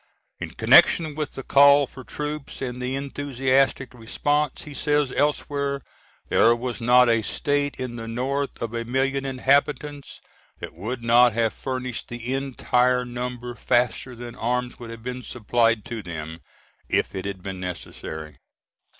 In connection with the call for troops and the enthusiastic response, he says elsewhere, "There was not a State in the North of a million inhabitants that would not have furnished the entire number faster than arms would have been supplied to them, if it had been necessary."